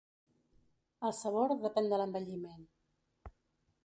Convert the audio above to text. El sabor depèn de l'envelliment.